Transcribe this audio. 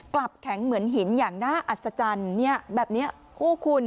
กลับแข็งเหมือนหินอย่างน่าอัศจรรย์เนี่ยแบบนี้โอ้คุณ